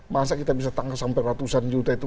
masa kita bisa tangkap sampai ratusan juta itu